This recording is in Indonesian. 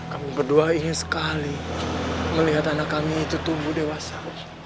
kami berdua ingin sekali melihat anak kami itu tumbuh dewasa